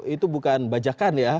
itu bukan bajakan ya